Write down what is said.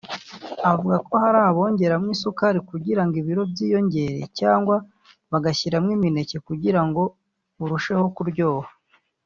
Avuga ko hari abongeragamo isukari kugira ngo ibilo byiyongere cyangwa bagashyiramo imineke kugira ngo burusheho kuryoha